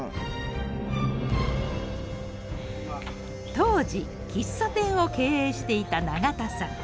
当時喫茶店を経営していた永田さん。